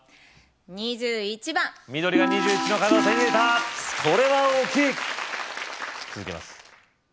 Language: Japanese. ２１番緑が２１の角を手に入れたこれは大きい続けます